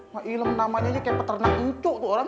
mak ilham namanya aja kayak peternak unjuk tuh orang